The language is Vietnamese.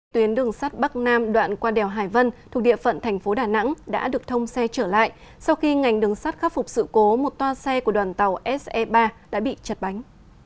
tuyến đường sắt bắc nam đoạn qua đèo hải vân thuộc địa phận thành phố đà nẵng đã được thông xe trở lại sau khi ngành đường sắt khắc phục sự cố một toa xe của đoàn tàu se ba đã bị chật bánh